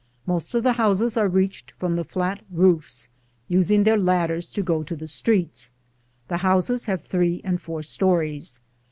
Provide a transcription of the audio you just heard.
Most of the houses are reached from the flat roofs, using their lad ders to go to the streets. The houses have three and four stories.